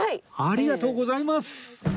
ありがとうございます！